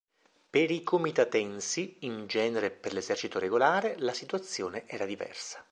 Per i comitatensi, in genere per l'esercito regolare, la situazione era diversa.